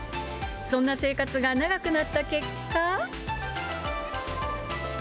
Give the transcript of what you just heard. そんな生活が長くなった結果。